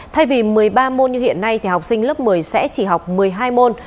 thay vì một mươi ba môn như hiện nay thì học sinh lớp một mươi sẽ chỉ học một mươi hai môn